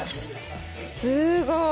すごい。